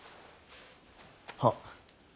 はっ。